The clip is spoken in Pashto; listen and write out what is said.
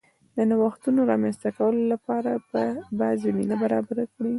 د نوښتونو رامنځته کولو لپاره به زمینه برابره کړي